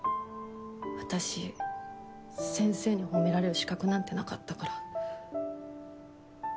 私先生に褒められる資格なんてなかったから。